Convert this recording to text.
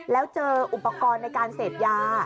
แล้วเจออุปกรณ์ในการเสพยา